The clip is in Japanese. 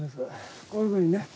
こういうふうにね。